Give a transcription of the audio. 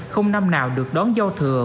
không năm nào được đón giao thừa